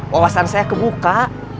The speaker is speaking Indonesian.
wawasan saya kebuka